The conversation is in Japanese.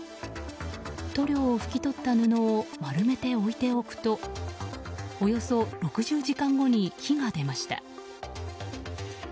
塗料を拭き取った布を丸めて置いておくとおよそ６０時間後に火が出ました。